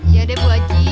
iya deh bu aji